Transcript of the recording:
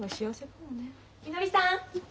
みのりさん。